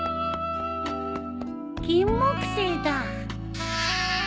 キンモクセイだ。